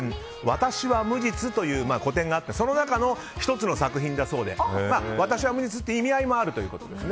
「私は無実」という個展があってその中の１つの作品だそうで「私は無実」という意味合いもあるということです。